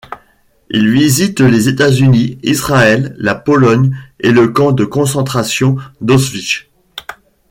Il visite les États-Unis, Israël, la Pologne et le camp de concentration d'Auschwitz.